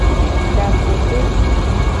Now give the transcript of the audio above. Dapope.